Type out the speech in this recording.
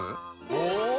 お！